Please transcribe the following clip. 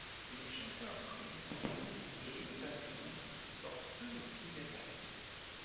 Les chanteurs Prince et Elton John portent eux aussi des talons.